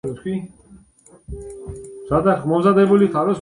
Today the see is located in Antelias, Lebanon.